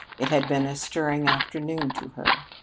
It had been a stirring afternoon for her.